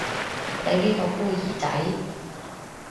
你呢個孤兒仔